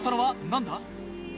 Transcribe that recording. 何だ？